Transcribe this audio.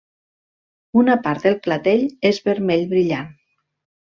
Una part del clatell és vermell brillant.